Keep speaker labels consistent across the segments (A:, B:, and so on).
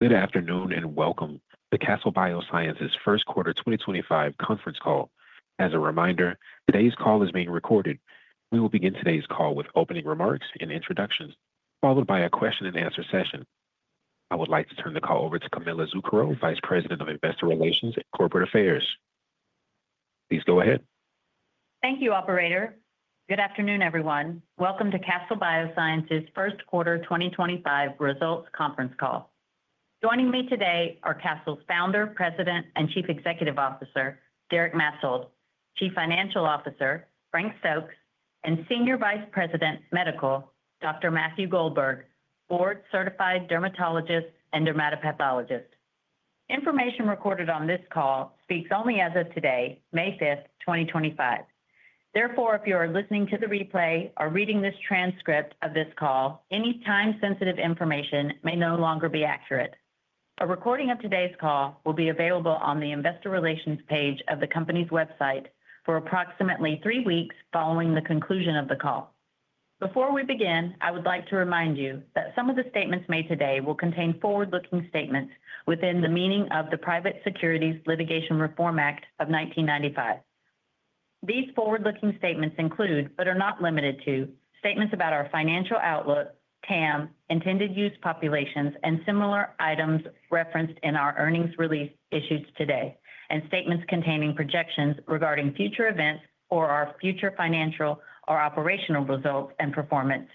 A: Good afternoon and welcome to Castle Biosciences' first quarter 2025 conference call. As a reminder, today's call is being recorded. We will begin today's call with opening remarks and introductions, followed by a question-and-answer session. I would like to turn the call over to Camilla Zuckero, Vice President of Investor Relations and Corporate Affairs. Please go ahead.
B: Thank you, Operator. Good afternoon, everyone. Welcome to Castle Biosciences' first quarter 2025 results conference call. Joining me today are Castle's Founder, President, and Chief Executive Officer, Derek Maetzold, Chief Financial Officer, Frank Stokes, and Senior Vice President Medical, Dr. Matthew Goldberg, board-certified dermatologist and dermatopathologist. Information recorded on this call speaks only as of today, May 5th, 2025. Therefore, if you are listening to the replay or reading this transcript of this call, any time-sensitive information may no longer be accurate. A recording of today's call will be available on the Investor Relations page of the company's website for approximately three weeks following the conclusion of the call. Before we begin, I would like to remind you that some of the statements made today will contain forward-looking statements within the meaning of the Private Securities Litigation Reform Act of 1995. These forward-looking statements include, but are not limited to, statements about our financial outlook, TAM, intended use populations, and similar items referenced in our earnings release issued today, and statements containing projections regarding future events or our future financial or operational results and performance,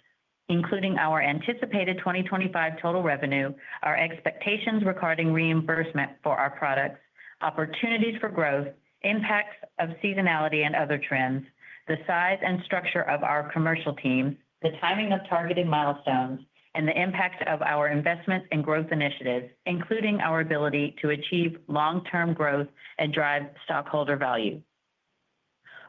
B: including our anticipated 2025 total revenue, our expectations regarding reimbursement for our products, opportunities for growth, impacts of seasonality and other trends, the size and structure of our commercial teams, the timing of targeted milestones, and the impact of our investment and growth initiatives, including our ability to achieve long-term growth and drive stockholder value.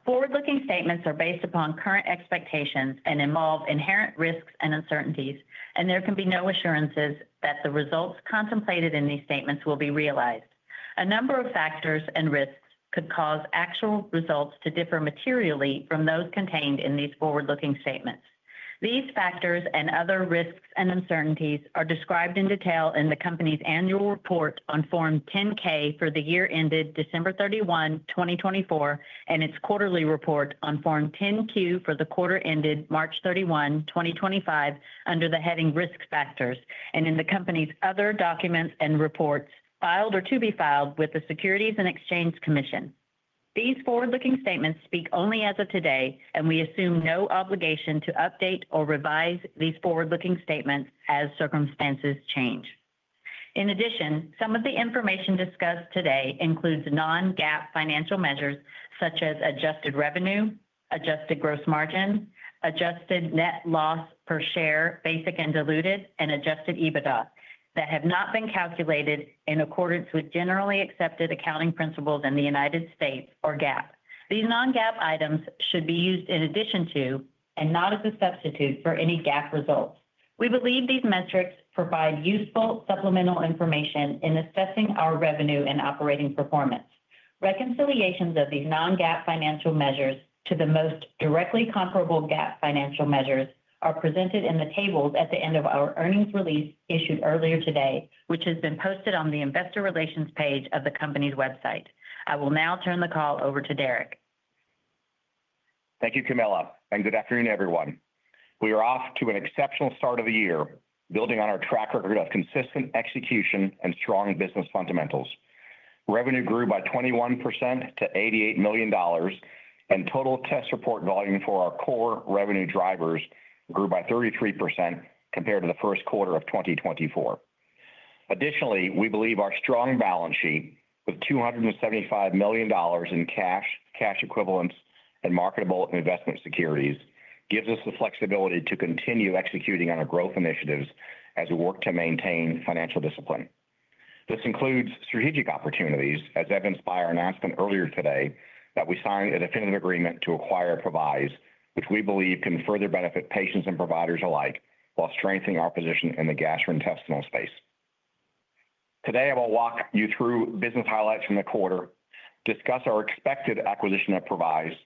B: Forward-looking statements are based upon current expectations and involve inherent risks and uncertainties, and there can be no assurances that the results contemplated in these statements will be realized. A number of factors and risks could cause actual results to differ materially from those contained in these forward-looking statements. These factors and other risks and uncertainties are described in detail in the company's annual report on Form 10-K for the year ended December 31, 2024, and its quarterly report on Form 10-Q for the quarter ended March 31, 2025, under the heading Risk Factors, and in the company's other documents and reports filed or to be filed with the Securities and Exchange Commission. These forward-looking statements speak only as of today, and we assume no obligation to update or revise these forward-looking statements as circumstances change. In addition, some of the information discussed today includes non-GAAP financial measures such as adjusted revenue, adjusted gross margin, adjusted net loss per share, basic and diluted, and Adjusted EBITDA that have not been calculated in accordance with generally accepted accounting principles in the United States or GAAP. These non-GAAP items should be used in addition to and not as a substitute for any GAAP results. We believe these metrics provide useful supplemental information in assessing our revenue and operating performance. Reconciliations of these non-GAAP financial measures to the most directly comparable GAAP financial measures are presented in the tables at the end of our earnings release issued earlier today, which has been posted on the Investor Relations page of the company's website. I will now turn the call over to Derek.
C: Thank you, Camilla, and good afternoon, everyone. We are off to an exceptional start of the year, building on our track record of consistent execution and strong business fundamentals. Revenue grew by 21% to $88 million, and total test report volume for our core revenue drivers grew by 33% compared to the first quarter of 2024. Additionally, we believe our strong balance sheet with $275 million in cash, cash equivalents, and marketable investment securities gives us the flexibility to continue executing on our growth initiatives as we work to maintain financial discipline. This includes strategic opportunities, as evidenced by our announcement earlier today that we signed a definitive agreement to acquire Previse, which we believe can further benefit patients and providers alike while strengthening our position in the gastrointestinal space. Today, I will walk you through business highlights from the quarter, discuss our expected acquisition of Previse,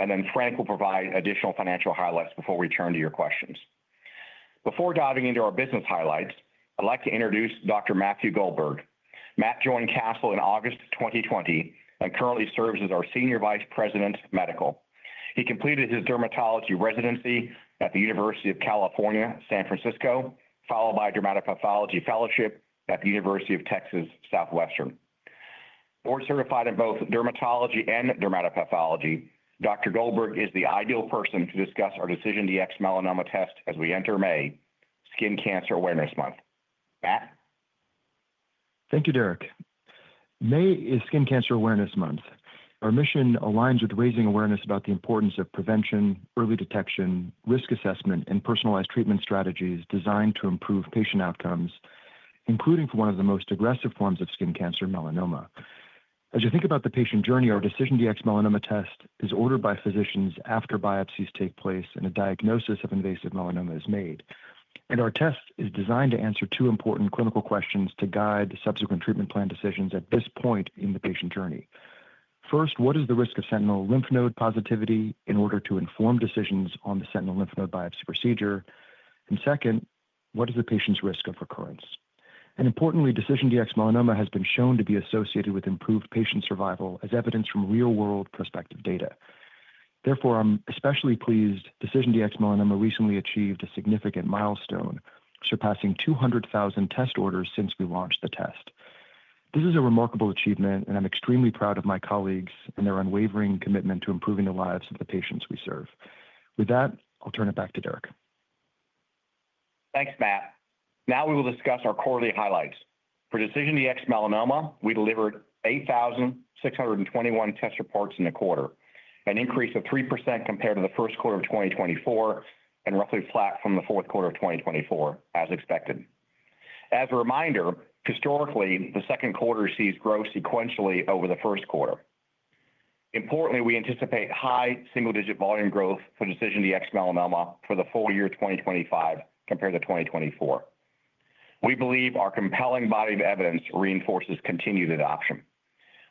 C: and then Frank will provide additional financial highlights before we turn to your questions. Before diving into our business highlights, I'd like to introduce Dr. Matthew Goldberg. Matt joined Castle in August 2020 and currently serves as our Senior Vice President Medical. He completed his dermatology residency at the University of California, San Francisco, followed by dermatopathology fellowship at the University of Texas Southwestern. Board-certified in both dermatology and dermatopathology, Dr. Goldberg is the ideal person to discuss our DecisionDx-Melanoma test as we enter May, Skin Cancer Awareness Month. Matt?
D: Thank you, Derek. May is Skin Cancer Awareness Month. Our mission aligns with raising awareness about the importance of prevention, early detection, risk assessment, and personalized treatment strategies designed to improve patient outcomes, including for one of the most aggressive forms of skin cancer, melanoma. As you think about the patient journey, our DecisionDx-Melanoma test is ordered by physicians after biopsies take place and a diagnosis of invasive melanoma is made. Our test is designed to answer two important clinical questions to guide subsequent treatment plan decisions at this point in the patient journey. First, what is the risk of sentinel lymph node positivity in order to inform decisions on the sentinel lymph node biopsy procedure? Second, what is the patient's risk of recurrence? Importantly, DecisionDx-Melanoma has been shown to be associated with improved patient survival as evidenced from real-world prospective data. Therefore, I am especially pleased DecisionDx-Melanoma recently achieved a significant milestone, surpassing 200,000 test orders since we launched the test. This is a remarkable achievement, and I am extremely proud of my colleagues and their unwavering commitment to improving the lives of the patients we serve. With that, I will turn it back to Derek.
C: Thanks, Matt. Now we will discuss our quarterly highlights. For DecisionDx-Melanoma, we delivered 8,621 test reports in the quarter, an increase of 3% compared to the first quarter of 2024 and roughly flat from the fourth quarter of 2024, as expected. As a reminder, historically, the second quarter sees growth sequentially over the first quarter. Importantly, we anticipate high single-digit volume growth for DecisionDx-Melanoma for the full year 2025 compared to 2024. We believe our compelling body of evidence reinforces continued adoption.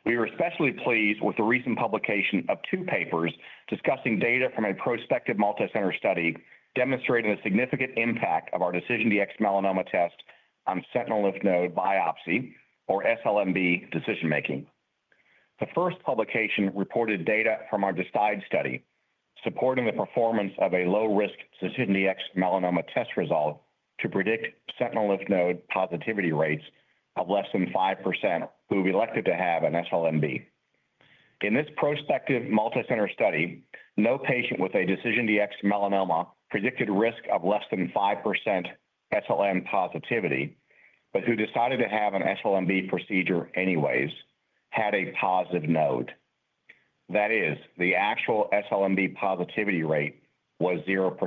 C: We are especially pleased with the recent publication of two papers discussing data from a prospective multicenter study demonstrating the significant impact of our DecisionDx-Melanoma test on sentinel lymph node biopsy, or SLNB, decision-making. The first publication reported data from our DECIDE study supporting the performance of a low-risk DecisionDx-Melanoma test result to predict sentinel lymph node positivity rates of less than 5% who have elected to have an SLNB. In this prospective multicenter study, no patient with a DecisionDx-Melanoma predicted risk of less than 5% SLN positivity, but who decided to have an SLNB procedure anyways had a positive node. That is, the actual SLNB positivity rate was 0%.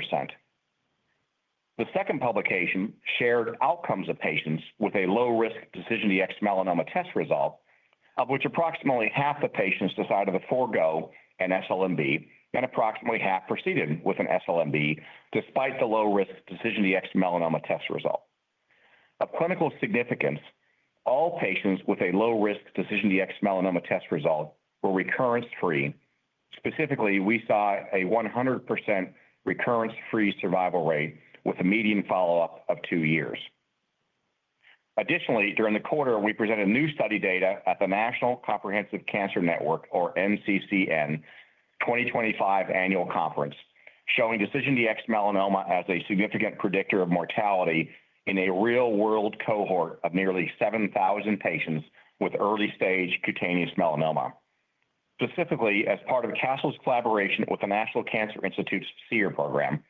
C: The second publication shared outcomes of patients with a low-risk DecisionDx-Melanoma test result, of which approximately half the patients decided to forgo an SLNB, and approximately half proceeded with an SLNB despite the low-risk DecisionDx-Melanoma test result. Of clinical significance, all patients with a low-risk DecisionDx-Melanoma test result were recurrence-free. Specifically, we saw a 100% recurrence-free survival rate with a median follow-up of two years. Additionally, during the quarter, we presented new study data at the National Comprehensive Cancer Network, or NCCN, 2025 annual conference, showing DecisionDx-Melanoma as a significant predictor of mortality in a real-world cohort of nearly 7,000 patients with early-stage cutaneous melanoma. Specifically, as part of Castle's collaboration with the National Cancer Institute's SEER program,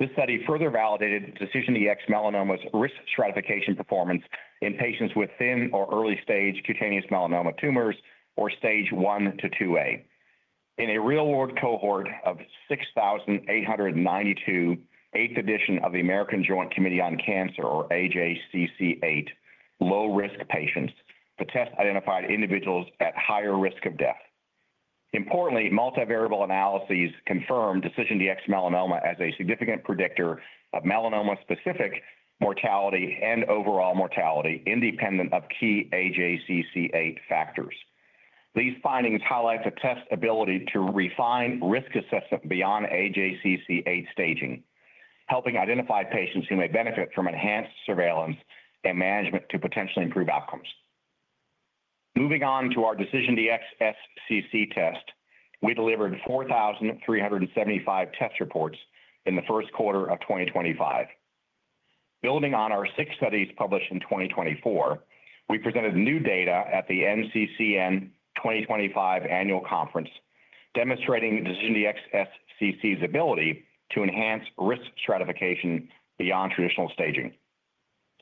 C: this study further validated DecisionDx-Melanoma's risk stratification performance in patients with thin or early-stage cutaneous melanoma tumors or Stage I to IIA. In a real-world cohort of 6,892, eighth edition of the American Joint Committee on Cancer, or AJCC8, low-risk patients, the test identified individuals at higher risk of death. Importantly, multivariable analyses confirmed DecisionDx-Melanoma as a significant predictor of melanoma-specific mortality and overall mortality independent of key AJCC8 factors. These findings highlight the test's ability to refine risk assessment beyond AJCC8 staging, helping identify patients who may benefit from enhanced surveillance and management to potentially improve outcomes. Moving on to our DecisionDx-SCC test, we delivered 4,375 test reports in the first quarter of 2025. Building on our six studies published in 2024, we presented new data at the NCCN 2025 annual conference, demonstrating DecisionDx-SCC's ability to enhance risk stratification beyond traditional staging.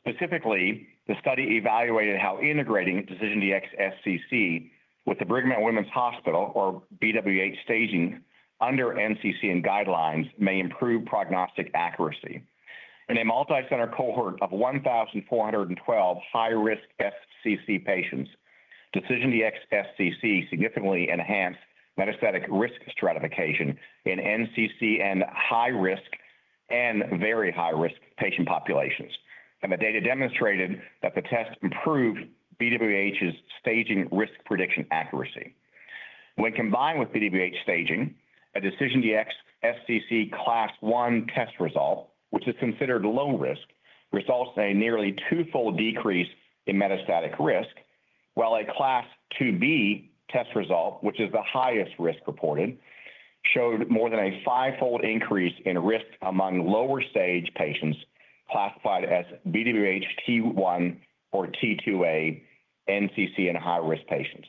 C: Specifically, the study evaluated how integrating DecisionDx-SCC with the Brigham and Women's Hospital, or BWH, staging under NCCN guidelines may improve prognostic accuracy. In a multicenter cohort of 1,412 high-risk SCC patients, DecisionDx-SCC significantly enhanced metastatic risk stratification in NCCN high-risk and very high-risk patient populations. The data demonstrated that the test improved BWH's staging risk prediction accuracy. When combined with BWH staging, a DecisionDx-SCC Class 1 test result, which is considered low risk, results in a nearly twofold decrease in metastatic risk, while a Class 2B test result, which is the highest risk reported, showed more than a fivefold increase in risk among lower-stage patients classified as BWH T1 or T2a NCCN high-risk patients.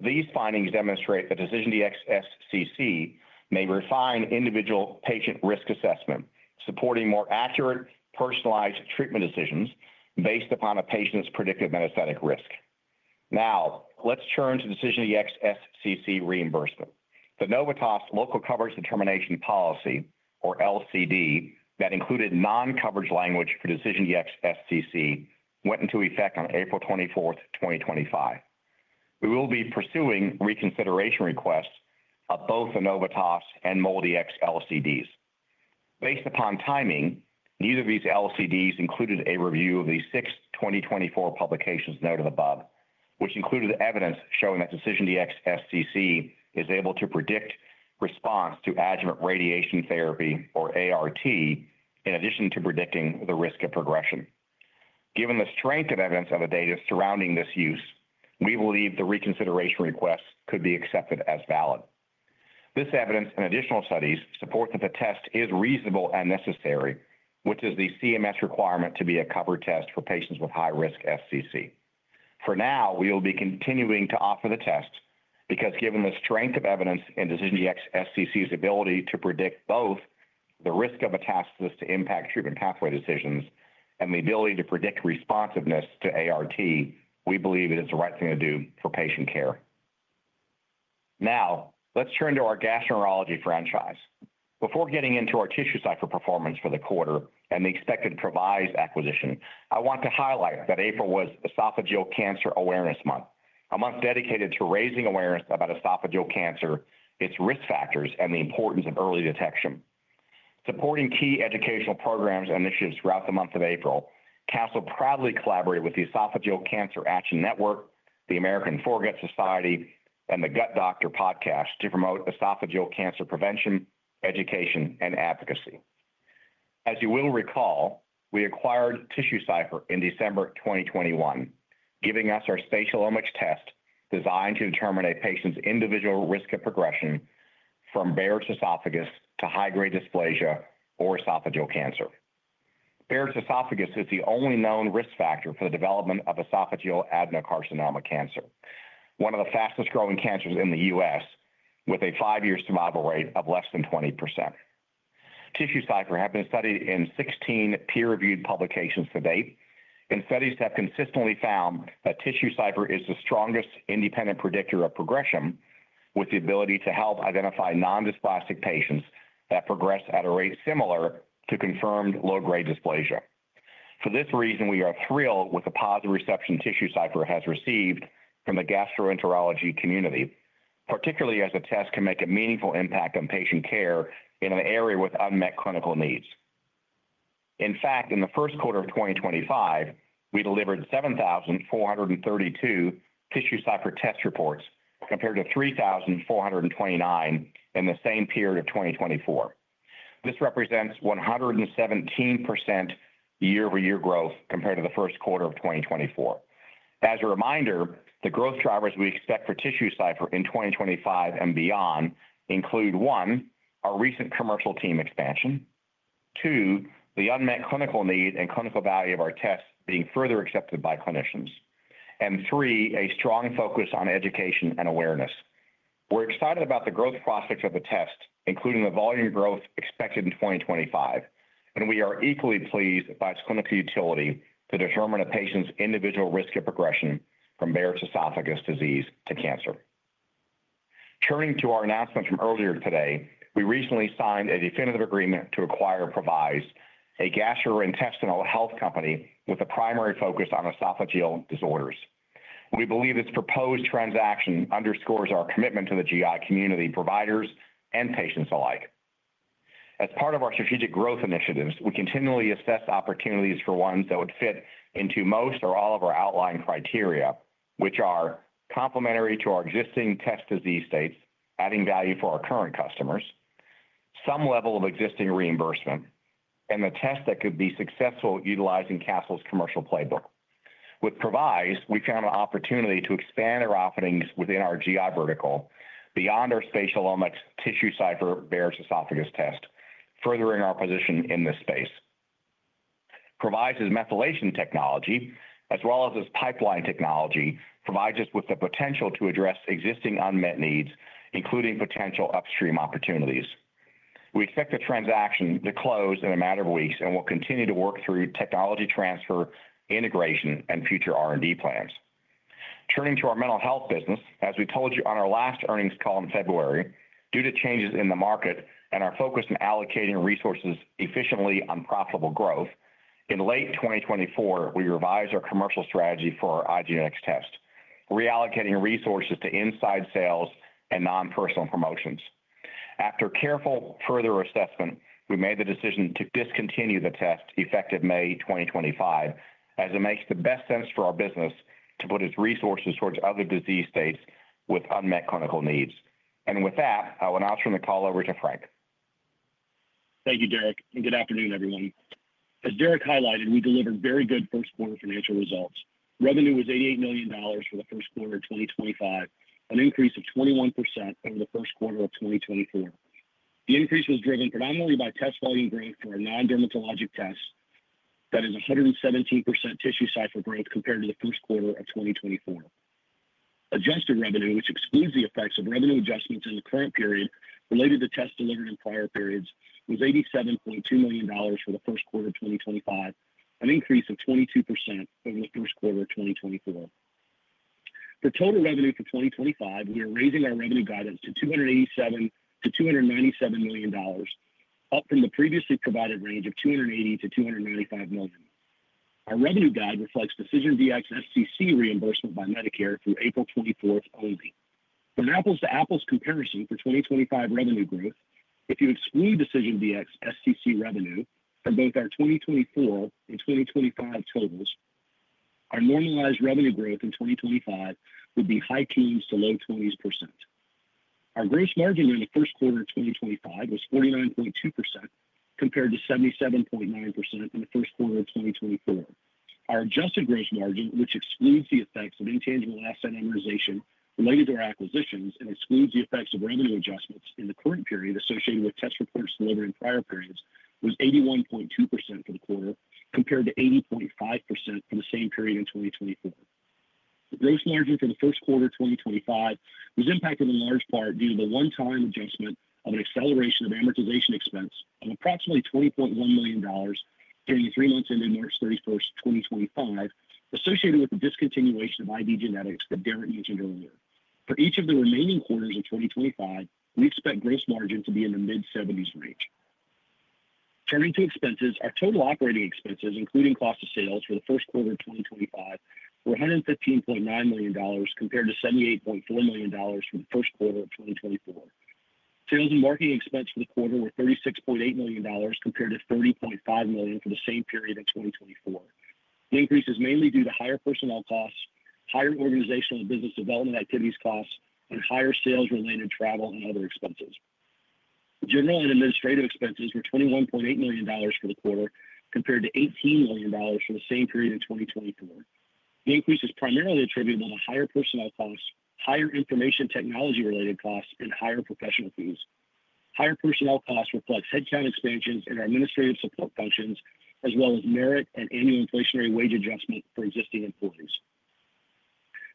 C: These findings demonstrate that DecisionDx-SCC may refine individual patient risk assessment, supporting more accurate personalized treatment decisions based upon a patient's predicted metastatic risk. Now, let's turn to DecisionDx-SCC reimbursement. The Novitas Local Coverage Determination Policy, or LCD, that included non-coverage language for DecisionDx-SCC went into effect on April 24, 2025. We will be pursuing reconsideration requests of both the Novitas and MolDX LCDs. Based upon timing, neither of these LCDs included a review of the June 2024 publication's note above, which included evidence showing that DecisionDx-SCC is able to predict response to adjuvant radiation therapy, or ART, in addition to predicting the risk of progression. Given the strength of evidence and the data surrounding this use, we believe the reconsideration request could be accepted as valid. This evidence and additional studies support that the test is reasonable and necessary, which is the CMS requirement to be a covered test for patients with high-risk SCC. For now, we will be continuing to offer the test because, given the strength of evidence in DecisionDx-SCC's ability to predict both the risk of metastasis to impact treatment pathway decisions and the ability to predict responsiveness to ART, we believe it is the right thing to do for patient care. Now, let's turn to our gastroenterology franchise. Before getting into our TissueCypher performance for the quarter and the expected Previse acquisition, I want to highlight that April was Esophageal Cancer Awareness Month, a month dedicated to raising awareness about esophageal cancer, its risk factors, and the importance of early detection. Supporting key educational programs and initiatives throughout the month of April, Castle proudly collaborated with the Esophageal Cancer Action Network, the American Foregut Society, and the Gut Doctor podcast to promote esophageal cancer prevention, education, and advocacy. As you will recall, we acquired TissueCypher in December 2021, giving us our spatial omics test designed to determine a patient's individual risk of progression from Barrett's esophagus to high-grade dysplasia or esophageal cancer. Barrett's esophagus is the only known risk factor for the development of esophageal adenocarcinoma cancer, one of the fastest-growing cancers in the U.S., with a five-year survival rate of less than 20%. TissueCypher has been studied in 16 peer-reviewed publications to date, and studies have consistently found that TissueCypher is the strongest independent predictor of progression, with the ability to help identify non-dysplastic patients that progress at a rate similar to confirmed low-grade dysplasia. For this reason, we are thrilled with the positive reception TissueCypher has received from the gastroenterology community, particularly as a test can make a meaningful impact on patient care in an area with unmet clinical needs. In fact, in the first quarter of 2025, we delivered 7,432 TissueCypher test reports compared to 3,429 in the same period of 2024. This represents 117% year-over-year growth compared to the first quarter of 2024. As a reminder, the growth drivers we expect for TissueCypher in 2025 and beyond include: one, our recent commercial team expansion; two, the unmet clinical need and clinical value of our tests being further accepted by clinicians; and three, a strong focus on education and awareness. We're excited about the growth prospects of the test, including the volume growth expected in 2025, and we are equally pleased by its clinical utility to determine a patient's individual risk of progression from Barrett's esophagus disease to cancer. Turning to our announcements from earlier today, we recently signed a definitive agreement to acquire Previse, a gastrointestinal health company with a primary focus on esophageal disorders. We believe this proposed transaction underscores our commitment to the GI community, providers, and patients alike. As part of our strategic growth initiatives, we continually assess opportunities for ones that would fit into most or all of our outlying criteria, which are complementary to our existing test disease states, adding value for our current customers, some level of existing reimbursement, and the test that could be successful utilizing Castle's commercial playbook. With Previse, we found an opportunity to expand our offerings within our GI vertical beyond our spatial omics TissueCypher Barrett's esophagus test, furthering our position in this space. Previse's methylation technology, as well as its pipeline technology, provides us with the potential to address existing unmet needs, including potential upstream opportunities. We expect the transaction to close in a matter of weeks and will continue to work through technology transfer, integration, and future R&D plans. Turning to our mental health business, as we told you on our last earnings call in February, due to changes in the market and our focus on allocating resources efficiently on profitable growth, in late 2024, we revised our commercial strategy for our IDgenetix test, reallocating resources to inside sales and non-personal promotions. After careful further assessment, we made the decision to discontinue the test effective May 2025, as it makes the best sense for our business to put its resources towards other disease states with unmet clinical needs. With that, I will now turn the call over to Frank.
E: Thank you, Derek. Good afternoon, everyone. As Derek highlighted, we delivered very good first-quarter financial results. Revenue was $88 million for the first quarter of 2025, an increase of 21% over the first quarter of 2024. The increase was driven predominantly by test volume growth for our non-dermatologic tests. That is 117% TissueCypher growth compared to the first quarter of 2024. Adjusted revenue, which excludes the effects of revenue adjustments in the current period related to tests delivered in prior periods, was $87.2 million for the first quarter of 2025, an increase of 22% over the first quarter of 2024. For total revenue for 2025, we are raising our revenue guidance to $287-$297 million, up from the previously provided range of $280-$295 million. Our revenue guide reflects DecisionDx-SCC reimbursement by Medicare through April 24 only. For an apples-to-apples comparison for 2025 revenue growth, if you exclude DecisionDx-SCC revenue for both our 2024 and 2025 totals, our normalized revenue growth in 2025 would be high teens to low 20%. Our gross margin during the first quarter of 2025 was 49.2% compared to 77.9% in the first quarter of 2024. Our adjusted gross margin, which excludes the effects of intangible asset amortization related to our acquisitions and excludes the effects of revenue adjustments in the current period associated with test reports delivered in prior periods, was 81.2% for the quarter compared to 80.5% for the same period in 2024. The gross margin for the first quarter of 2025 was impacted in large part due to the one-time adjustment of an acceleration of amortization expense of approximately $20.1 million during the three months ending March 31, 2025, associated with the discontinuation of IDgenetix that Derek mentioned earlier. For each of the remaining quarters of 2025, we expect gross margin to be in the mid-70s range. Turning to expenses, our total operating expenses, including cost of sales for the first quarter of 2025, were $115.9 million compared to $78.4 million for the first quarter of 2024. Sales and marketing expense for the quarter were $36.8 million compared to $30.5 million for the same period in 2024. The increase is mainly due to higher personnel costs, higher organizational and business development activities costs, and higher sales-related travel and other expenses. General and administrative expenses were $21.8 million for the quarter compared to $18 million for the same period in 2024. The increase is primarily attributable to higher personnel costs, higher information technology-related costs, and higher professional fees. Higher personnel costs reflect headcount expansions in our administrative support functions, as well as merit and annual inflationary wage adjustment for existing employees.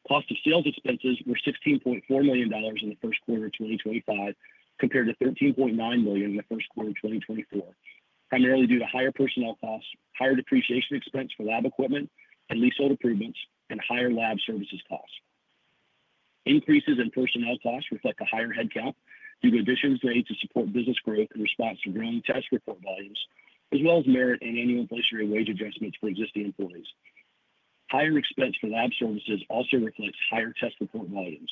E: Cost of sales expenses were $16.4 million in the first quarter of 2025 compared to $13.9 million in the first quarter of 2024, primarily due to higher personnel costs, higher depreciation expense for lab equipment and leasehold improvements, and higher lab services costs. Increases in personnel costs reflect a higher headcount due to additional grades to support business growth in response to growing test report volumes, as well as merit and annual inflationary wage adjustments for existing employees. Higher expense for lab services also reflects higher test report volumes.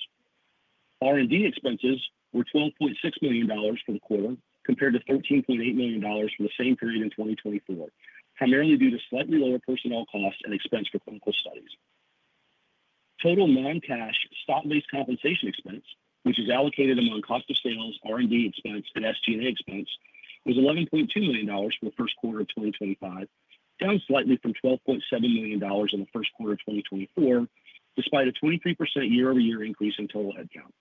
E: R&D expenses were $12.6 million for the quarter compared to $13.8 million for the same period in 2024, primarily due to slightly lower personnel costs and expense for clinical studies. Total non-cash stock-based compensation expense, which is allocated among cost of sales, R&D expense, and SG&A expense, was $11.2 million for the first quarter of 2025, down slightly from $12.7 million in the first quarter of 2024, despite a 23% year-over-year increase in total headcount.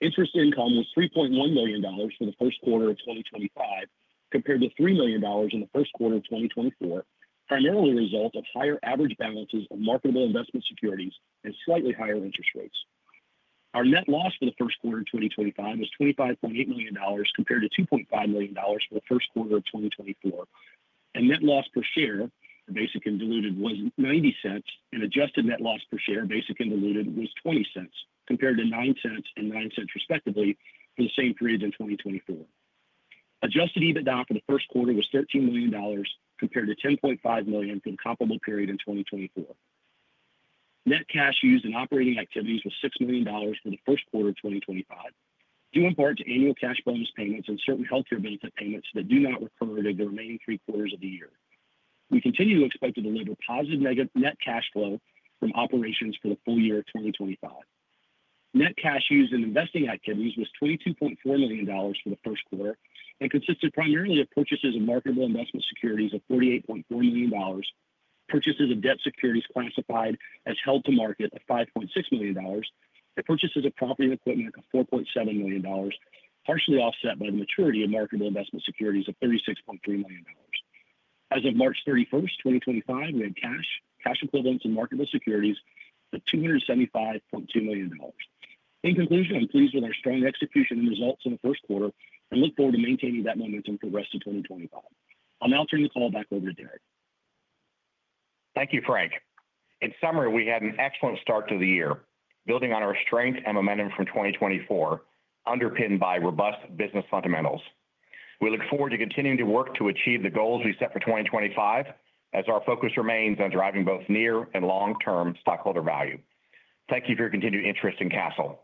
E: Interest income was $3.1 million for the first quarter of 2025 compared to $3 million in the first quarter of 2024, primarily a result of higher average balances of marketable investment securities and slightly higher interest rates. Our net loss for the first quarter of 2025 was $25.8 million compared to $2.5 million for the first quarter of 2024. Net loss per share, basic and diluted, was $0.90, and adjusted net loss per share, basic and diluted, was $0.20 compared to $0.09 and $0.09 respectively for the same period in 2024. Adjusted EBITDA for the first quarter was $13 million compared to $10.5 million for the comparable period in 2024. Net cash used in operating activities was $6 million for the first quarter of 2025, due in part to annual cash bonus payments and certain healthcare benefit payments that do not recur to the remaining three quarters of the year. We continue to expect to deliver positive net cash flow from operations for the full year of 2025. Net cash used in investing activities was $22.4 million for the first quarter and consisted primarily of purchases of marketable investment securities of $48.4 million, purchases of debt securities classified as held to market of $5.6 million, and purchases of property and equipment of $4.7 million, partially offset by the maturity of marketable investment securities of $36.3 million. As of March 31, 2025, we had cash, cash equivalents, and marketable securities of $275.2 million. In conclusion, I'm pleased with our strong execution and results in the first quarter and look forward to maintaining that momentum for the rest of 2025. I'll now turn the call back over to Derek.
C: Thank you, Frank. In summary, we had an excellent start to the year, building on our strength and momentum from 2024, underpinned by robust business fundamentals. We look forward to continuing to work to achieve the goals we set for 2025, as our focus remains on driving both near and long-term stockholder value. Thank you for your continued interest in Castle.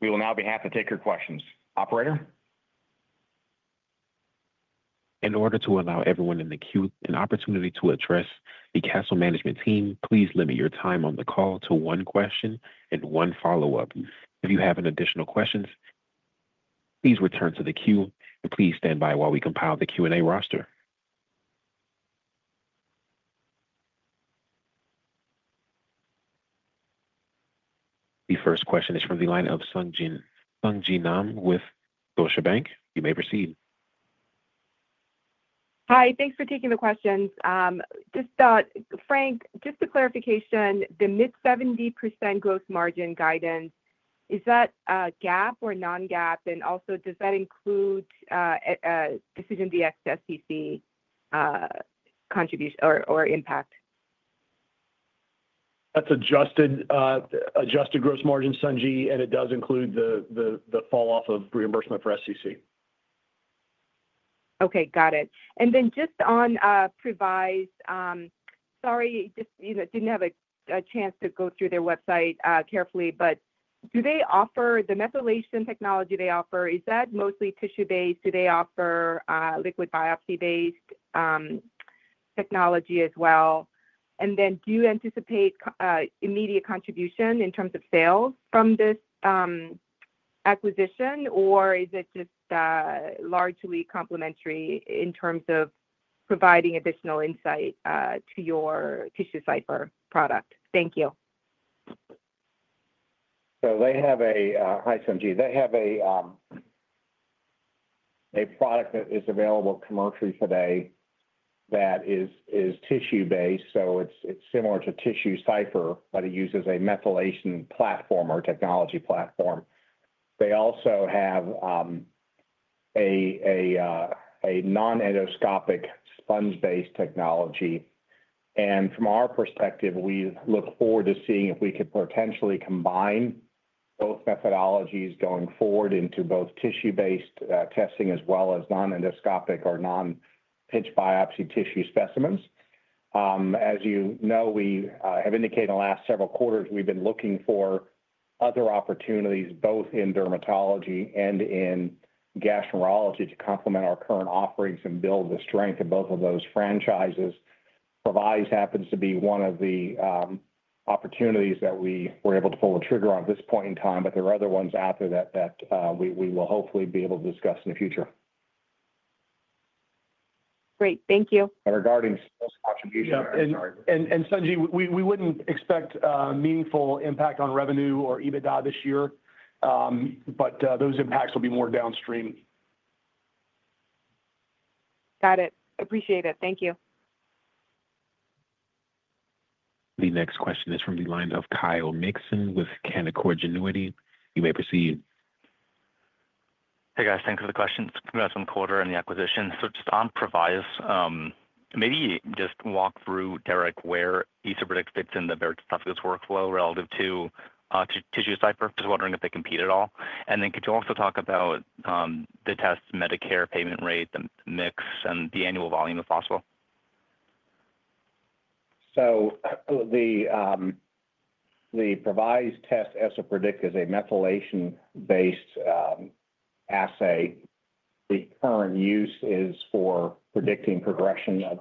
C: We will now be happy to take your questions. Operator?
A: In order to allow everyone in the queue an opportunity to address the Castle Management Team, please limit your time on the call to one question and one follow-up. If you have additional questions, please return to the queue, and please stand by while we compile the Q&A roster. The first question is from the line of Sung Ji Nam with Deutsche Bank. You may proceed.
F: Hi. Thanks for taking the questions. Just, Frank, just a clarification. The mid-70% gross margin guidance, is that a GAAP or non-GAAP? And also, does that include DecisionDx-SCC contribution or impact?
D: That's adjusted gross margin, Sung Ji, and it does include the fall-off of reimbursement for SCC.
F: Okay. Got it. And then just on Previse, sorry, just didn't have a chance to go through their website carefully, but do they offer the methylation technology they offer, is that mostly tissue-based? Do they offer liquid biopsy-based technology as well? Do you anticipate immediate contribution in terms of sales from this acquisition, or is it just largely complementary in terms of providing additional insight to your TissueCypher product? Thank you.
C: They have a—hi, Sung Ji. They have a product that is available commercially today that is tissue-based, so it's similar to TissueCypher, but it uses a methylation platform or technology platform. They also have a non-endoscopic sponge-based technology. From our perspective, we look forward to seeing if we could potentially combine both methodologies going forward into both tissue-based testing as well as non-endoscopic or non-pinch biopsy tissue specimens. As you know, we have indicated in the last several quarters we've been looking for other opportunities, both in dermatology and in gastroenterology, to complement our current offerings and build the strength of both of those franchises. Previse happens to be one of the opportunities that we were able to pull the trigger on at this point in time, but there are other ones out there that we will hopefully be able to discuss in the future.
F: Great. Thank you.
C: Regarding sales contribution—
D: and Sung Ji, we would not expect meaningful impact on revenue or EBITDA this year, but those impacts will be more downstream.
F: Got it. Appreciate it. Thank you.
A: The next question is from the line of Kyle Mixon with Canaccord Genuity. You may proceed.
G: Hey, guys. Thanks for the questions. Coming back from the quarter and the acquisition. Just on Previse, maybe just walk through, Derek, where EsoPredict fits in the various steps workflow relative to TissueCypher. Just wondering if they compete at all. Could you also talk about the test Medicare payment rate, the mix, and the annual volume, if possible?
C: The Previse test EsoPredict is a methylation-based assay. The current use is for predicting progression of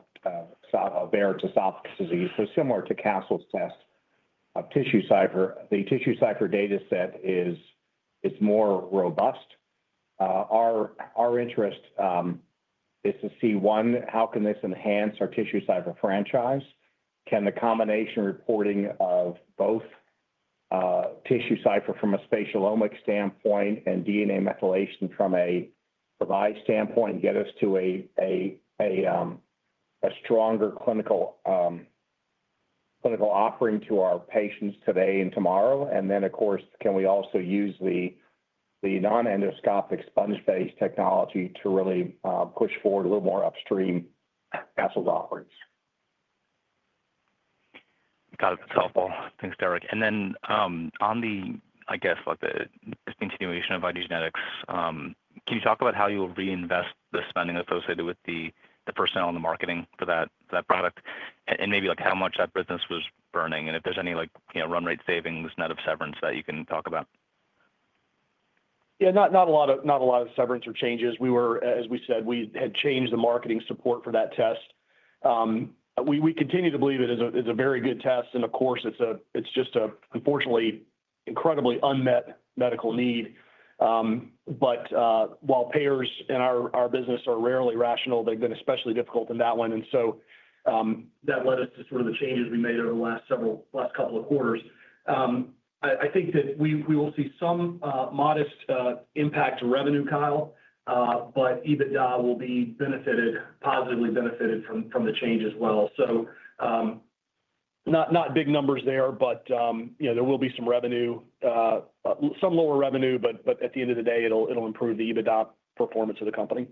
C: Barrett's esophagus disease. Similar to Castle's test of TissueCypher, the TissueCypher data set is more robust. Our interest is to see, one, how can this enhance our TissueCypher franchise? Can the combination reporting of both TissueCypher from a spatial omics standpoint and DNA methylation from a Previse standpoint get us to a stronger clinical offering to our patients today and tomorrow? Of course, can we also use the non-endoscopic sponge-based technology to really push forward a little more upstream Castle's offerings?
G: Got it. That's helpful. Thanks, Derek. On the continuation of IDgenetix, can you talk about how you will reinvest the spending associated with the personnel and the marketing for that product? And maybe how much that business was burning? And if there's any run rate savings, net of severance that you can talk about?
C: Yeah. Not a lot of severance or changes. As we said, we had changed the marketing support for that test. We continue to believe it is a very good test. Of course, it's just an unfortunately incredibly unmet medical need. While payers in our business are rarely rational, they've been especially difficult in that one. That led us to some of the changes we made over the last couple of quarters. I think that we will see some modest impact to revenue, Kyle, but EBITDA will be benefited, positively benefited from the change as well. Not big numbers there, but there will be some revenue, some lower revenue, but at the end of the day, it'll improve the EBITDA performance of the company.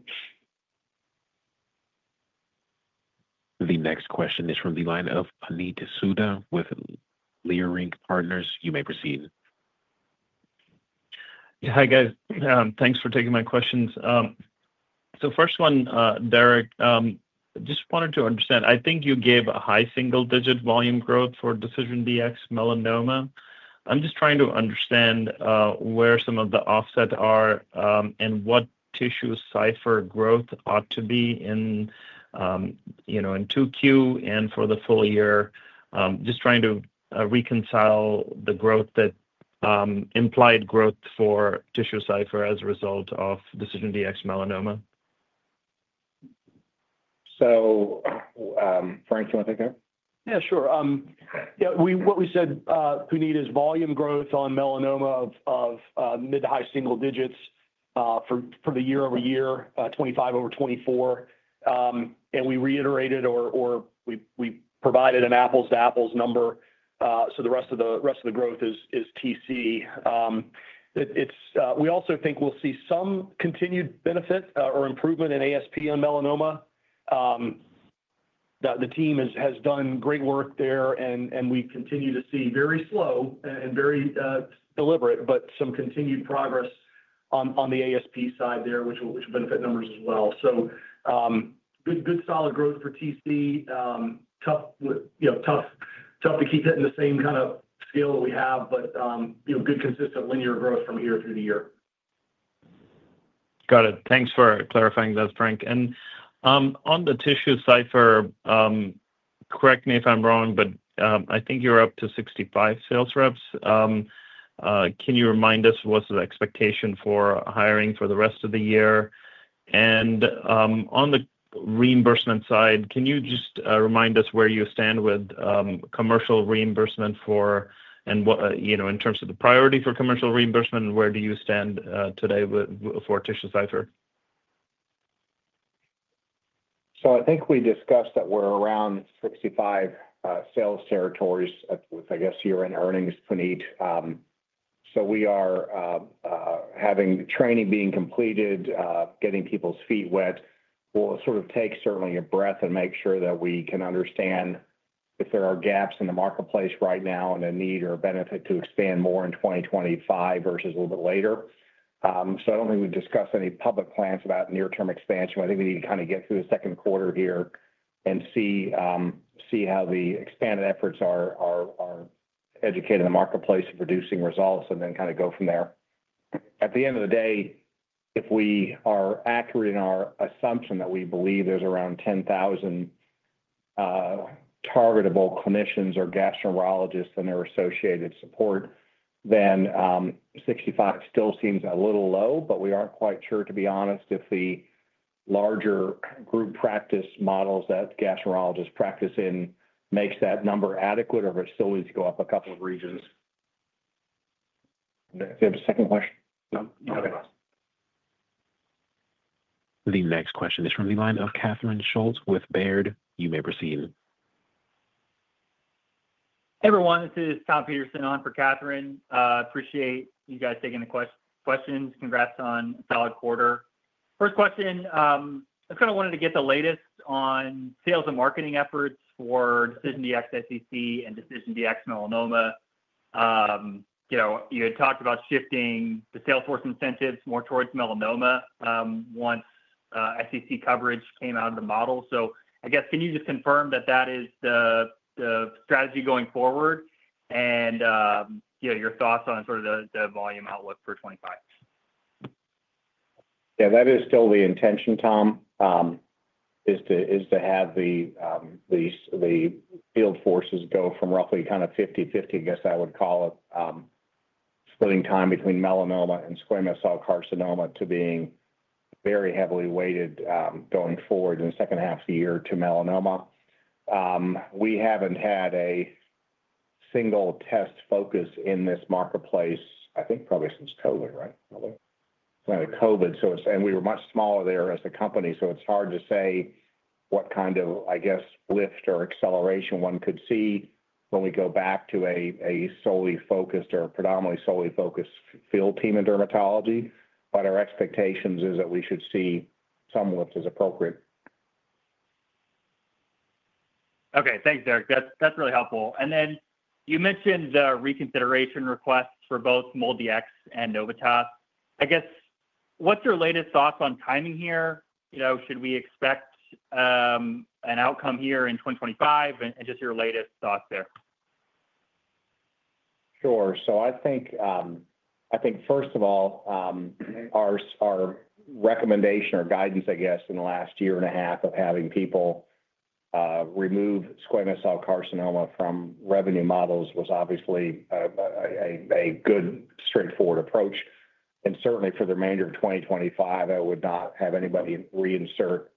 A: The next question is from the line of Puneet Souda with Leerink Partners. You may proceed.
H: Hi, guys. Thanks for taking my questions. First one, Derek, just wanted to understand. I think you gave a high single-digit volume growth for DecisionDx-Melanoma. I'm just trying to understand where some of the offsets are and what TissueCypher growth ought to be in 2Q and for the full year. Just trying to reconcile the growth, that implied growth for TissueCypher as a result of DecisionDx-Melanoma. Frank, do you want to take that?
C: Yeah, sure. Yeah. What we said we need is volume growth on melanoma of mid to high single digits for the year-over-year, 25 over 24. We reiterated or we provided an apples-to-apples number. The rest of the growth is TC. We also think we'll see some continued benefit or improvement in ASP on melanoma. The team has done great work there, and we continue to see very slow and very deliberate, but some continued progress on the ASP side there, which will benefit numbers as well. Good solid growth for TC. Tough to keep it in the same kind of scale that we have, but good consistent linear growth from year-to-year.
H: Got it. Thanks for clarifying that, Frank. On the TissueCypher, correct me if I'm wrong, but I think you're up to 65 sales reps. Can you remind us what's the expectation for hiring for the rest of the year? On the reimbursement side, can you just remind us where you stand with commercial reimbursement in terms of the priority for commercial reimbursement, and where do you stand today for TissueCypher?
E: I think we discussed that we're around 65 sales territories with, I guess, year-end earnings to meet. We are having training being completed, getting people's feet wet. We'll sort of take certainly a breath and make sure that we can understand if there are gaps in the marketplace right now and a need or a benefit to expand more in 2025 versus a little bit later. I don't think we've discussed any public plans about near-term expansion. I think we need to kind of get through the second quarter here and see how the expanded efforts are educating the marketplace and producing results, and then kind of go from there. At the end of the day, if we are accurate in our assumption that we believe there's around 10,000 targetable clinicians or gastroenterologists and their associated support, then 65 still seems a little low, but we aren't quite sure, to be honest, if the larger group practice models that gastroenterologists practice in make that number adequate or if it still needs to go up a couple of regions. Do you have a second question?
H: No. You may press.
A: The next question is from the line of Catherine Schulte with Baird. You may proceed.
I: Hey, everyone. This is Tom Peterson on for Catherine. Appreciate you guys taking the questions. Congrats on a solid quarter. First question, I kind of wanted to get the latest on sales and marketing efforts for DecisionDx-SCC and DecisionDx-Melanoma. You had talked about shifting the salesforce incentives more towards melanoma once SCC coverage came out of the model. I guess, can you just confirm that that is the strategy going forward?
D: Your thoughts on sort of the volume outlook for 2025?
C: Yeah. That is still the intention, Tom, is to have the field forces go from roughly kind of 50/50, I guess I would call it, splitting time between melanoma and squamous cell carcinoma to being very heavily weighted going forward in the second half of the year to melanoma. We have not had a single test focus in this marketplace, I think probably since COVID, right? Probably. It's kind of COVID, and we were much smaller there as a company, so it's hard to say what kind of, I guess, lift or acceleration one could see when we go back to a solely focused or predominantly solely focused field team in dermatology. Our expectation is that we should see some lift as appropriate.
I: Okay. Thanks, Derek. That's really helpful. You mentioned the reconsideration requests for both MolDX and Novitas. I guess, what's your latest thoughts on timing here? Should we expect an outcome here in 2025? Just your latest thoughts there.
C: Sure. I think, first of all, our recommendation or guidance, I guess, in the last year and a half of having people remove squamous cell carcinoma from revenue models was obviously a good, straightforward approach. Certainly, for the remainder of 2025, I would not have anybody reinsert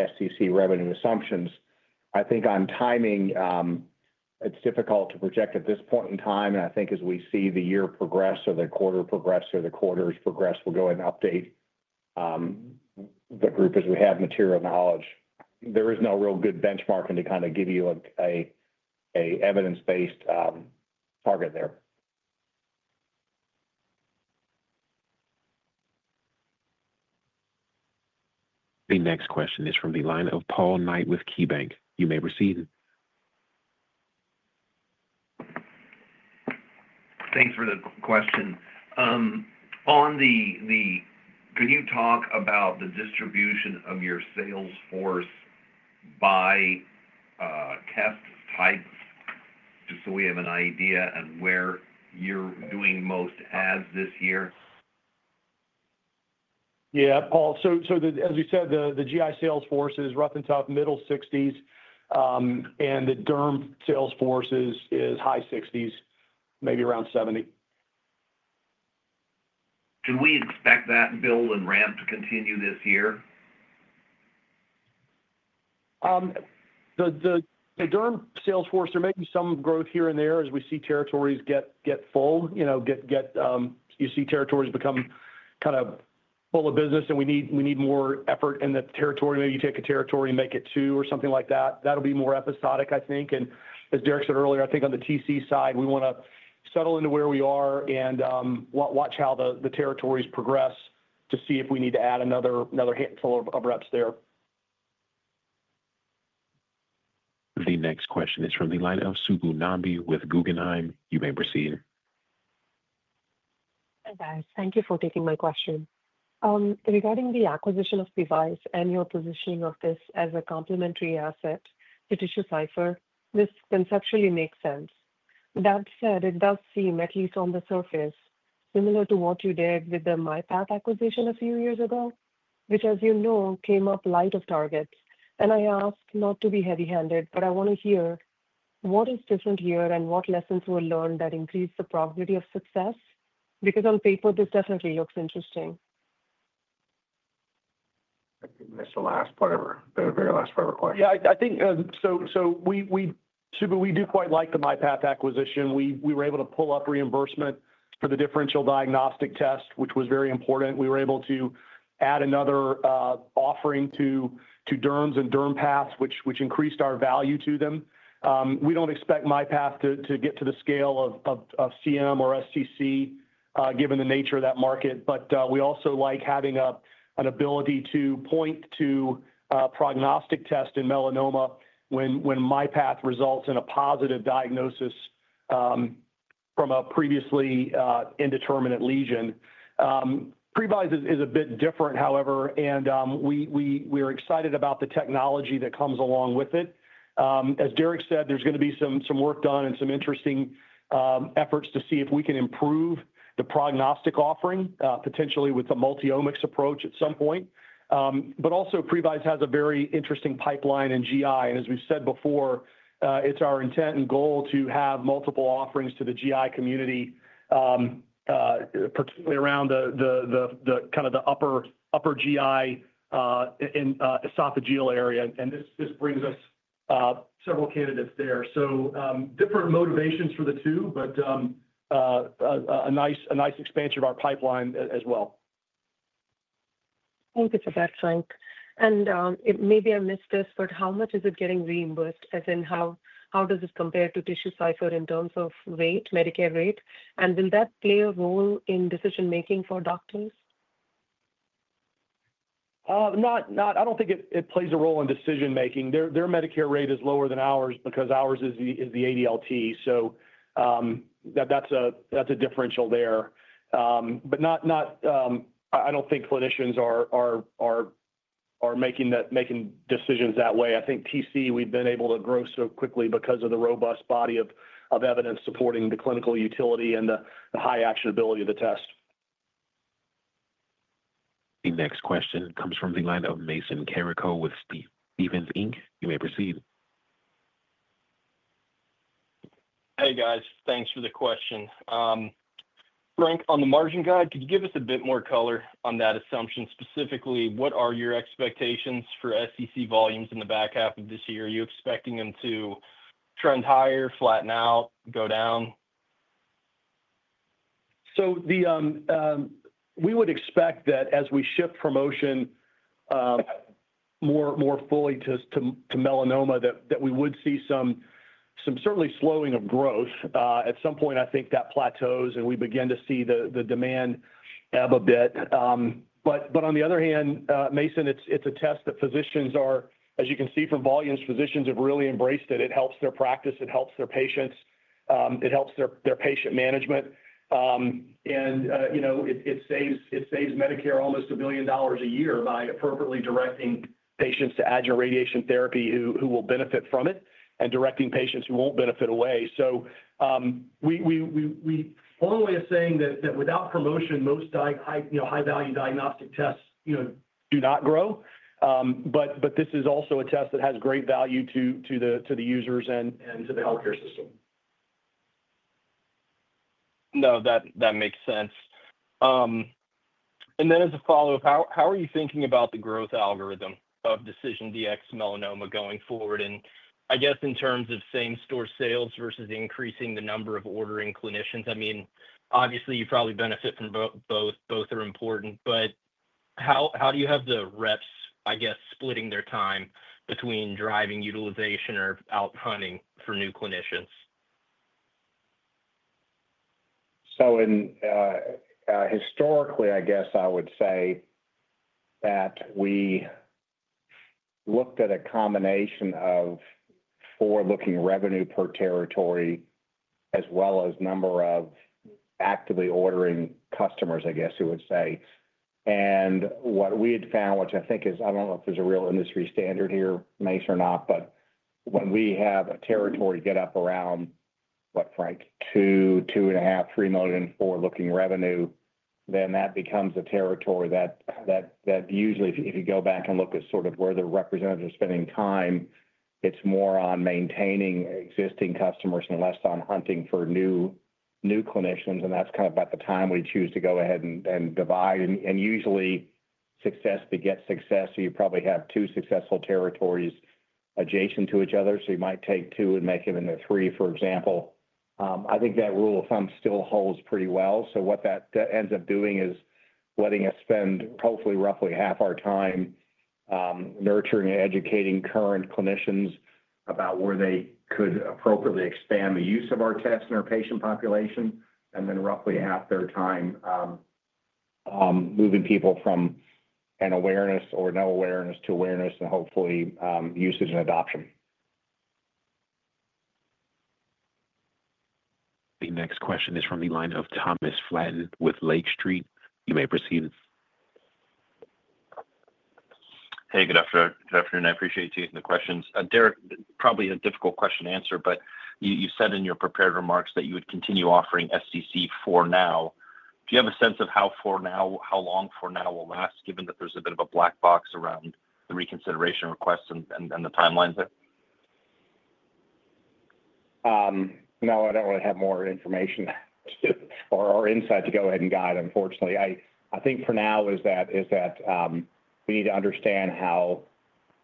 C: SCC revenue assumptions. I think on timing, it's difficult to project at this point in time. I think as we see the year progress or the quarter progress or the quarters progress, we'll go ahead and update the group as we have material knowledge. There is no real good benchmarking to kind of give you an evidence-based target there.
A: The next question is from the line of Paul Knight with KeyBanc. You may proceed.
J: Thanks for the question. Can you talk about the distribution of your salesforce by test type just so we have an idea on where you're doing most ads this year?
E: Yeah. Paul, as you said, the GI salesforce is rough and tough, middle 60s. The derm salesforce is high 60s, maybe around 70.
J: Can we expect that build and ramp to continue this year?
E: The derm salesforce, there may be some growth here and there as we see territories get full. You see territories become kind of full of business, and we need more effort in the territory. Maybe you take a territory and make it two or something like that. That'll be more episodic, I think. As Derek said earlier, I think on the TC side, we want to settle into where we are and watch how the territories progress to see if we need to add another handful of reps there.
A: The next question is from the line of Subbu Nambi with Guggenheim. You may proceed.
K: Hey, guys. Thank you for taking my question. Regarding the acquisition of Previse and your positioning of this as a complementary asset to TissueCypher, this conceptually makes sense. That said, it does seem, at least on the surface, similar to what you did with the MyPath acquisition a few years ago, which, as you know, came up light of targets. I ask not to be heavy-handed, but I want to hear what is different here and what lessons were learned that increased the probability of success? Because on paper, this definitely looks interesting.
D: That's the last part of our very last part of our question.
E: Yeah. I think we do quite like the MyPath acquisition. We were able to pull up reimbursement for the differential diagnostic test, which was very important. We were able to add another offering to derms and derm paths, which increased our value to them. We do not expect MyPath to get to the scale of CM or SCC given the nature of that market. We also like having an ability to point to prognostic test in melanoma when MyPath results in a positive diagnosis from a previously indeterminate lesion. Previse is a bit different, however, and we are excited about the technology that comes along with it. As Derek said, there's going to be some work done and some interesting efforts to see if we can improve the prognostic offering, potentially with a multi-omics approach at some point. Previse has a very interesting pipeline in GI. As we've said before, it's our intent and goal to have multiple offerings to the GI community, particularly around kind of the upper GI esophageal area. This brings us several candidates there. Different motivations for the two, but a nice expansion of our pipeline as well.
K: I think it's a bad sign. Maybe I missed this, but how much is it getting reimbursed? As in how does it compare to TissueCypher in terms of Medicare rate? Will that play a role in decision-making for doctors?
E: I don't think it plays a role in decision-making. Their Medicare rate is lower than ours because ours is the ADLT. That's a differential there. I don't think clinicians are making decisions that way. I think TC, we've been able to grow so quickly because of the robust body of evidence supporting the clinical utility and the high actionability of the test.
A: The next question comes from the line of Mason Carrico with Stephens. You may proceed.
L: Hey, guys. Thanks for the question. Frank, on the margin guide, could you give us a bit more color on that assumption? Specifically, what are your expectations for SCC volumes in the back half of this year? Are you expecting them to trend higher, flatten out, go down?
E: We would expect that as we shift promotion more fully to melanoma, we would see some certainly slowing of growth. At some point, I think that plateaus and we begin to see the demand ebb a bit. On the other hand, Mason, it's a test that physicians are, as you can see from volumes, physicians have really embraced it. It helps their practice. It helps their patients. It helps their patient management. It saves Medicare almost $1 billion a year by appropriately directing patients to adjuvant radiation therapy who will benefit from it and directing patients who will not benefit away. We formally are saying that without promotion, most high-value diagnostic tests do not grow. This is also a test that has great value to the users and to the healthcare system.
L: No, that makes sense. As a follow-up, how are you thinking about the growth algorithm of DecisionDx-Melanoma going forward? I guess in terms of same-store sales versus increasing the number of ordering clinicians, I mean, obviously, you probably benefit from both. Both are important. How do you have the reps, I guess, splitting their time between driving utilization or out hunting for new clinicians?
C: Historically, I guess I would say that we looked at a combination of forward-looking revenue per territory as well as number of actively ordering customers, I guess, who would say. What we had found, which I think is I don't know if there's a real industry standard here, Mason or not, but when we have a territory get up around, what, Frank, $2 million, $2.5 million, $3 million forward-looking revenue, then that becomes a territory that usually, if you go back and look at sort of where the representatives are spending time, it's more on maintaining existing customers and less on hunting for new clinicians. That's kind of about the time we choose to go ahead and divide. Usually, success to get success. You probably have two successful territories adjacent to each other. You might take two and make them into three, for example. I think that rule of thumb still holds pretty well. What that ends up doing is letting us spend hopefully roughly half our time nurturing and educating current clinicians about where they could appropriately expand the use of our tests in our patient population, and then roughly half their time moving people from an awareness or no awareness to awareness and hopefully usage and adoption.
A: The next question is from the line of Thomas Flaten with Lake Street. You may proceed.
M: Hey, good afternoon. I appreciate taking the questions. Derek, probably a difficult question to answer, but you said in your prepared remarks that you would continue offering SEC for now. Do you have a sense of how long for now will last, given that there's a bit of a black box around the reconsideration requests and the timelines there?
C: No, I don't really have more information or insight to go ahead and guide, unfortunately. I think for now is that we need to understand how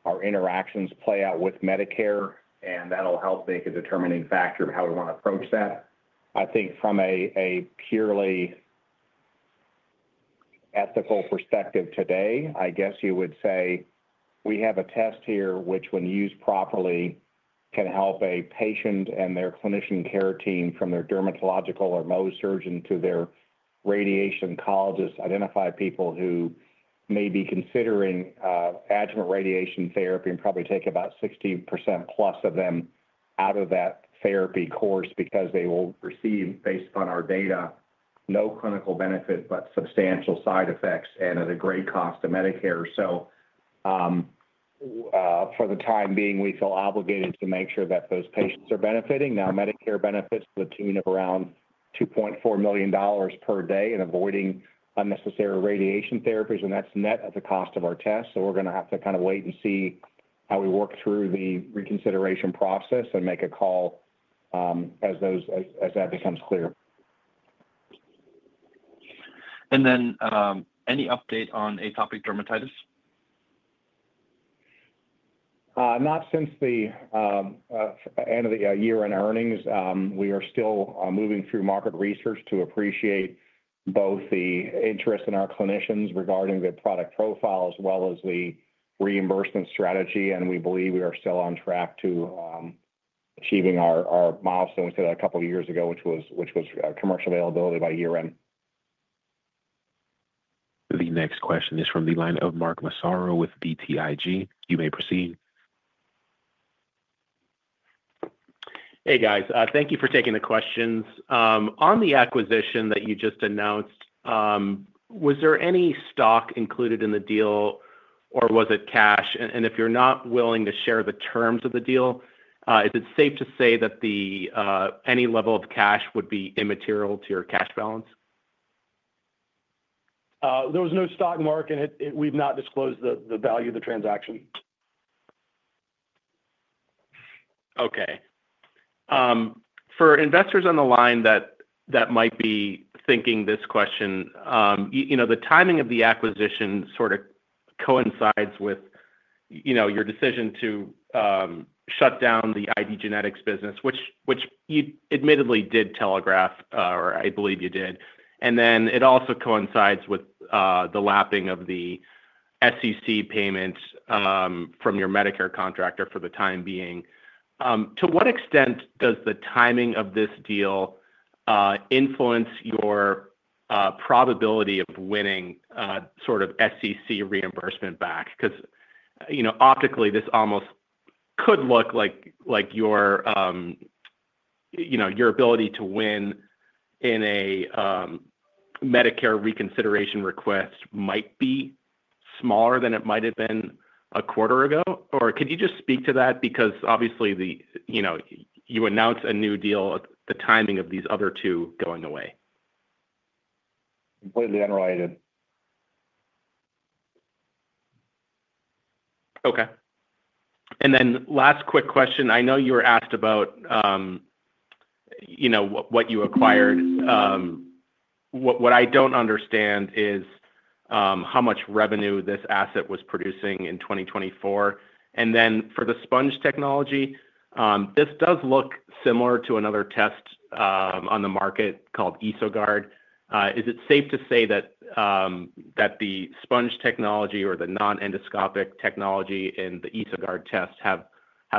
C: our interactions play out with Medicare, and that'll help make a determining factor of how we want to approach that. I think from a purely ethical perspective today, I guess you would say we have a test here which, when used properly, can help a patient and their clinician care team from their dermatological or Mohs surgeon to their radiation oncologist identify people who may be considering adjuvant radiation therapy and probably take about 60% plus of them out of that therapy course because they will receive, based upon our data, no clinical benefit but substantial side effects and at a great cost to Medicare. For the time being, we feel obligated to make sure that those patients are benefiting. Now, Medicare benefits to the tune of around $2.4 million per day in avoiding unnecessary radiation therapies, and that's net at the cost of our test. We are going to have to kind of wait and see how we work through the reconsideration process and make a call as that becomes clear. Any update on atopic dermatitis? Not since the end of the year in earnings. We are still moving through market research to appreciate both the interest in our clinicians regarding their product profile as well as the reimbursement strategy. We believe we are still on track to achieving our milestone we set a couple of years ago, which was commercial availability by year-end.
A: The next question is from the line of Mark Massaro with BTIG. You may proceed.
N: Hey, guys. Thank you for taking the questions. On the acquisition that you just announced, was there any stock included in the deal, or was it cash? If you're not willing to share the terms of the deal, is it safe to say that any level of cash would be immaterial to your cash balance?
E: There was no stock component. We've not disclosed the value of the transaction.
N: Okay. For investors on the line that might be thinking this question, the timing of the acquisition sort of coincides with your decision to shut down the IDgenetix business, which you admittedly did telegraph, or I believe you did. It also coincides with the lapping of the CMS payment from your Medicare contractor for the time being. To what extent does the timing of this deal influence your probability of winning sort of CMS reimbursement back? Because optically, this almost could look like your ability to win in a Medicare reconsideration request might be smaller than it might have been a quarter ago. Could you just speak to that? Obviously, you announced a new deal, the timing of these other two going away.
C: Completely unrelated.
N: Okay. Last quick question. I know you were asked about what you acquired. What I do not understand is how much revenue this asset was producing in 2024. For the sponge technology, this does look similar to another test on the market called EsoGuard. Is it safe to say that the sponge technology or the non-endoscopic technology and the EsoGuard test have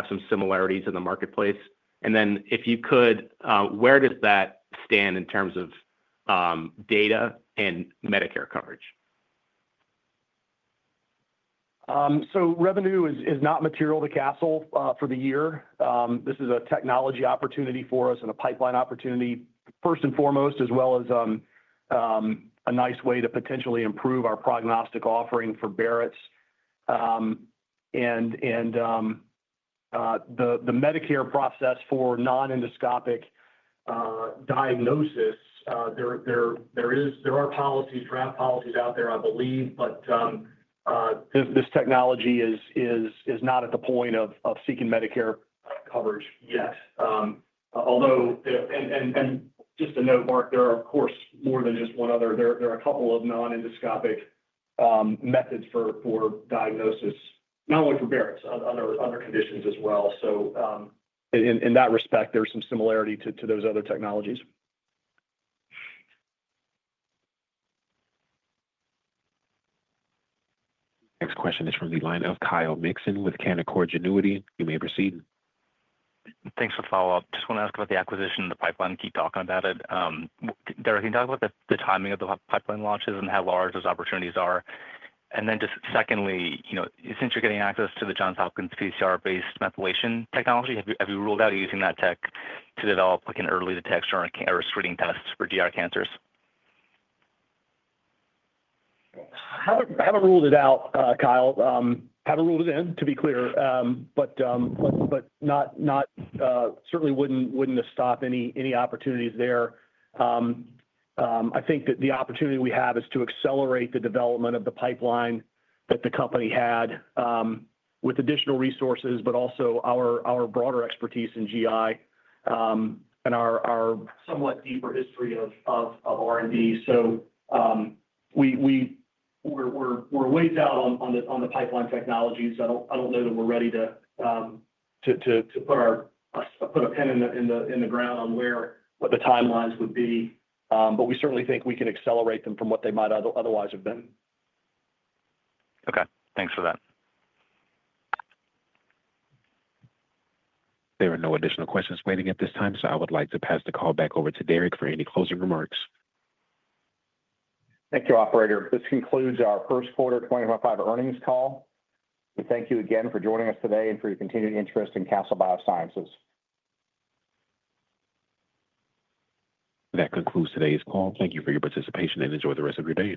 N: some similarities in the marketplace? If you could, where does that stand in terms of data and Medicare coverage?
E: Revenue is not material to Castle for the year. This is a technology opportunity for us and a pipeline opportunity, first and foremost, as well as a nice way to potentially improve our prognostic offering for Barrett's. The Medicare process for non-endoscopic diagnosis, there are policies, draft policies out there, I believe, but this technology is not at the point of seeking Medicare coverage yet. Although, and just a note, Mark, there are, of course, more than just one other. There are a couple of non-endoscopic methods for diagnosis, not only for Barrett's, other conditions as well. In that respect, there's some similarity to those other technologies.
A: Next question is from the line of Kyle Mikon with Canaccord Genuity. You may proceed.
G: Thanks for the follow-up. Just want to ask about the acquisition of the pipeline. Keep talking about it. Derek, can you talk about the timing of the pipeline launches and how large those opportunities are? Just secondly, since you're getting access to the Johns Hopkins PCR-based methylation technology, have you ruled out using that tech to develop an early detection or a screening test for GI cancers?
C: Haven't ruled it out, Kyle. Haven't ruled it in, to be clear, but certainly wouldn't have stopped any opportunities there. I think that the opportunity we have is to accelerate the development of the pipeline that the company had with additional resources, but also our broader expertise in GI and our somewhat deeper history of R&D. We are way down on the pipeline technologies. I don't know that we're ready to put a pin in the ground on where the timelines would be, but we certainly think we can accelerate them from what they might otherwise have been.
G: Okay. Thanks for that.
A: There are no additional questions waiting at this time, so I would like to pass the call back over to Derek for any closing remarks.
C: Thank you, operator. This concludes our first quarter 2025 earnings call. We thank you again for joining us today and for your continued interest in Castle Biosciences.
A: That concludes today's call. Thank you for your participation and enjoy the rest of your day.